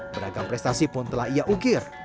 beragam prestasi pun telah ia ukir